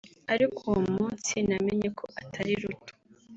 aliko uwo munsi namenye ko atari ruto